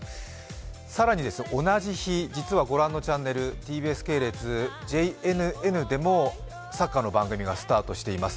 更に同じ日、実はご覧のチャンネルＴＢＳ系列、ＪＮＮでもサッカーの番組がスタートしています。